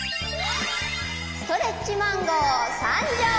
ストレッチマンゴーさんじょう！